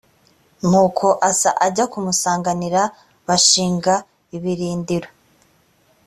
nuko asa ajya kumusanganira bashinga ibirindiro